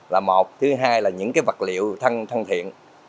là một thứ hai là những cái vật liệu thân thiện